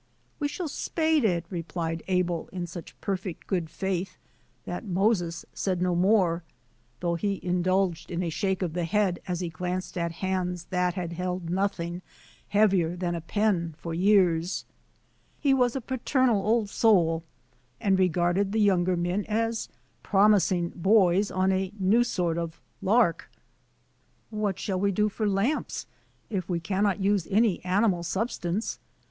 "We shall spade it," replied Abel, in such per fect good faith that Moses said no more, though he indulged in a shake of the head as he glanced Digitized by VjOOQ IC 154 BRONSON ALCOTT'S FRUITLANDS at hands that had held nothing heavier than a pen for years. He was a paternal old soul and re garded the younger men as promising boys on a new sort of lark. "What shall we do for lamps, if we cannot use any animal substance?